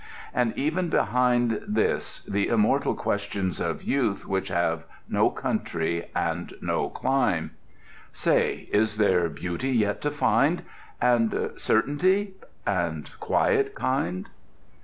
And even behind this the immortal questions of youth which have no country and no clime— Say, is there Beauty yet to find? And Certainty? and Quiet kind?